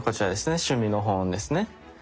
趣味の本ですね。